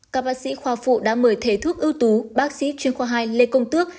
các bác sĩ khoa phụ đã mời thầy thuốc ưu tú bác sĩ chuyên khoa hai lê công tước